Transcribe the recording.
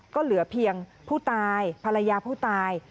ก็เหลือเพียงผู้ตายภรรยาผู้ตาย